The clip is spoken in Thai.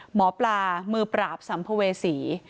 หมอปลามือปราบสัมภเวษี